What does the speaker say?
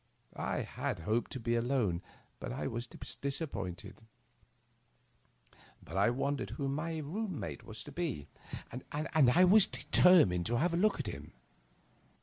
I had hoped to be alone, and I was disappointed; but I wondered who my room mate was to be, and I determined to have a look at him.